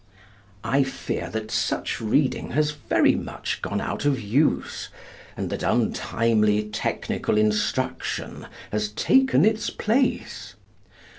I fear that such reading has very much gone out of use, and that untimely technical instruction has taken its place.